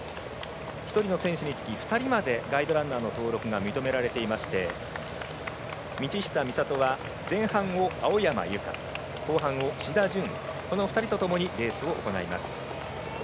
１人の選手につき２人までガイドランナーの登録が認められていまして道下美里は前半を青山由佳、後半を志田淳この２人とともにレースを行います。